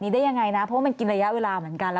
ตลอดทางคือธีระนัด